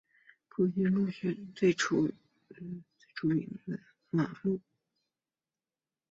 伯先路最初的名称是南马路。